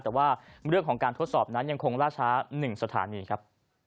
แต่ว่าเรื่องของการทดสอบนั้นยังคงล่าช้า๑สถานีครับ